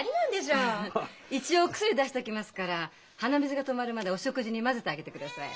一応お薬出しときますから鼻水が止まるまでお食事に混ぜてあげてください。